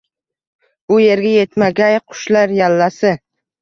Bu yerga yetmagay qushlar yallasi